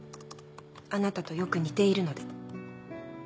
あなたとよく似ているので。